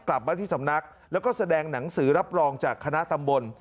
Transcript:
กลับมาที่สำนักแล้วก็แสดงหนังสือรับรองจากคณะตำบล